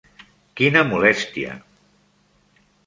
Quina molèstia!